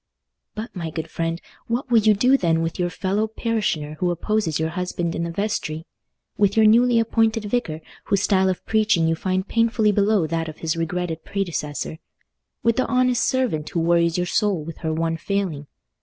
But, my good friend, what will you do then with your fellow parishioner who opposes your husband in the vestry? With your newly appointed vicar, whose style of preaching you find painfully below that of his regretted predecessor? With the honest servant who worries your soul with her one failing?